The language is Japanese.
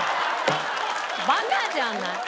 バカじゃない？